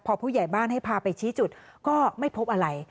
พอผู้ใหญ่บ้านให้พาไปชี้จุดก็ไม่พบอะไร